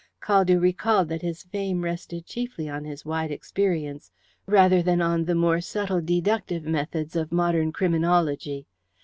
Caldew recalled that his fame rested chiefly on his wide experience rather than on the more subtle deductive methods of modern criminology.